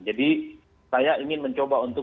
jadi saya ingin mencoba untuk